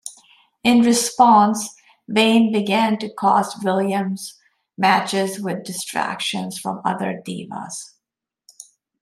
In response, Vaine began to cost Williams matches with distractions from other Divas.